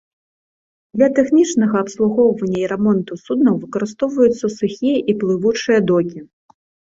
Для тэхнічнага абслугоўвання і рамонту суднаў выкарыстоўваюцца сухія і плывучыя докі.